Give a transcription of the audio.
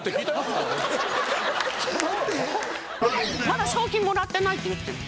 まだ賞金もらってないって。